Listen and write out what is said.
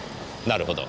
なるほど。